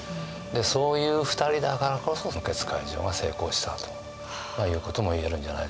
そういう２人だからこそ無血開城が成功したということもいえるんじゃないでしょうか。